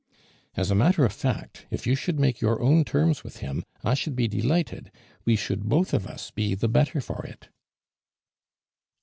"As a matter of fact, if you should make your own terms with him, I should be delighted; we should, both of us, be the better for it."